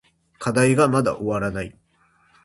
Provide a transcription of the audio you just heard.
課題がまだ終わらない。